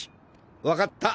分かった。